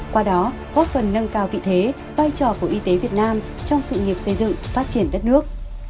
qua đó góp phần nâng cao vị thế vai trò của y tế việt nam trong sự nghiệp xây dựng phát triển đất nước